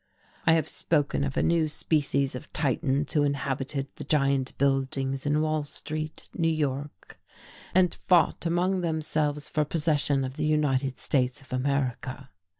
I have spoken of a new species of titans who inhabited the giant buildings in Wall Street, New York, and fought among themselves for possession of the United States of America.